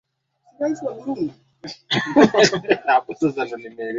Wanatumia hasa matamshi mbalimbali ya lugha ya Kichina